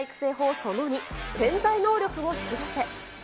その２、潜在能力を引き出せ。